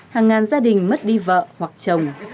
hàng ngàn gia đình mất đi vợ hoặc chồng